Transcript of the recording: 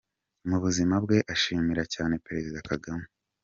Mu buzima bwe ashimira cyane Perezida Kagame.